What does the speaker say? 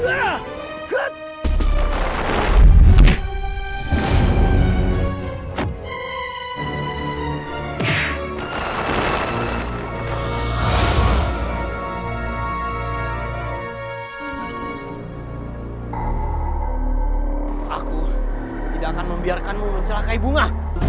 aku tidak akan membiarkanmu mencelakai bunga